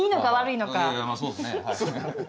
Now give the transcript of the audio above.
いやいやまあそうっすね。